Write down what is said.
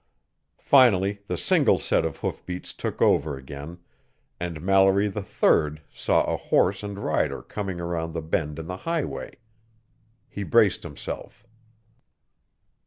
Finally the single set of hoofbeats took over again, and Mallory III saw a horse and rider coming around the bend in the highway. He braced himself.